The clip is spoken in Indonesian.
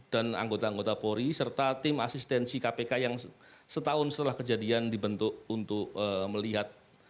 dan anggota anggota polri serta tim asistensi kpk yang setahun setelah kejadian dibentuk untuk melihat